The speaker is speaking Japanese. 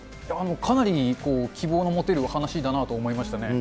かなり希望の持てる話だなと思いましたね。